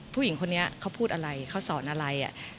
ผู้หญิงคนนี้เขาพูดอะไรเขาสอนอะไร